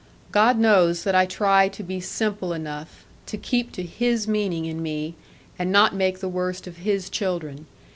God knows that I try to be simple enough, to keep to His meaning in me, and not make the worst of His children.